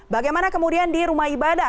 bagaimana kemudian di rumah ibadah